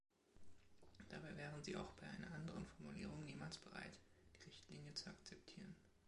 Dabei wären sie auch bei einer anderen Formulierung niemals bereit, die Richtlinie zu akzeptieren.